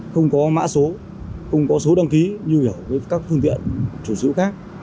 không có mã số không có số đăng ký như các phương tiện chủ sĩ khác